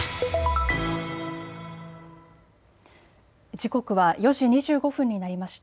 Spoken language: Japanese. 時刻は４時２５分になりました。